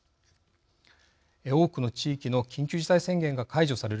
多くの地域の緊急事態宣言が解除される